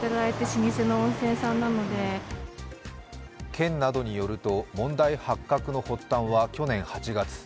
県などによると問題発覚の発端は去年８月。